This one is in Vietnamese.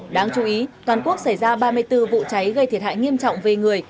đáng chú ý toàn quốc xảy ra ba mươi bốn vụ cháy gây thiệt hại nghiêm trọng về người